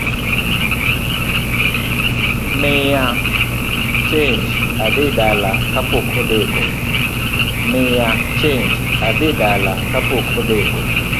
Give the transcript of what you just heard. Miya chenj adhi dala kapok odeko